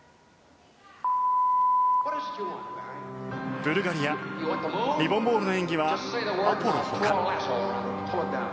ブルガリアリボン・ボールの演技は「Ａｐｏｌｌｏ」ほか。